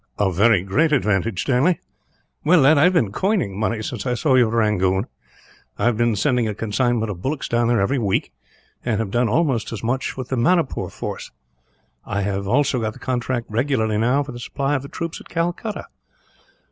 "A very great advantage, Stanley. "Well, lad, I have been coining money, since I saw you at Rangoon. I have been sending a consignment of bullocks down there, every week; and have done almost as much with the Manipur force. I have also got the contract regularly, now, for the supply of the troops at Calcutta.